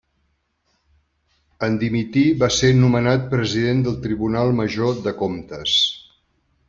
En dimitir va ser nomenat President del Tribunal Major de Comptes.